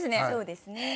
そうですね。